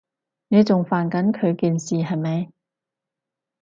你仲煩緊佢件事，係咪？